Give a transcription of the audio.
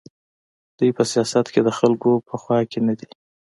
دوی په سیاست کې د خلکو په خوا کې نه دي.